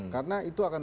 karena itu akan